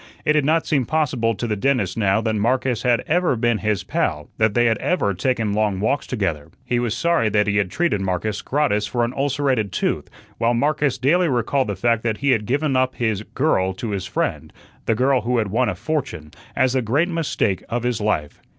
It did not seem possible to the dentist now that Marcus had ever been his "pal," that they had ever taken long walks together. He was sorry that he had treated Marcus gratis for an ulcerated tooth, while Marcus daily recalled the fact that he had given up his "girl" to his friend the girl who had won a fortune as the great mistake of his life.